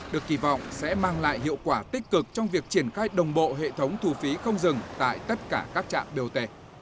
được kỳ vọng sẽ mang lại hiệu quả tích cực trong việc triển khai đồng bộ hệ thống thu phí không dừng tại tất cả các trạm bot